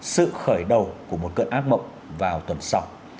sự khởi đầu của một cơn ác mộng vào tuần sau